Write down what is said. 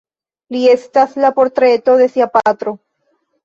Li estas la portreto de sia patro.